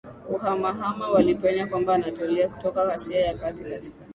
kuhamahama walipenya kwanza Anatolia kutoka Asia ya Kati katika